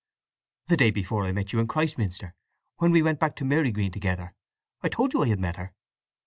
"The day before I met you in Christminster, when we went back to Marygreen together. I told you I had met her."